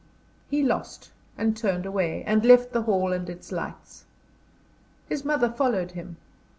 He lost, and turned away, and left the hall and its lights. His mother followed him.